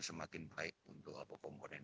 semakin baik untuk komponen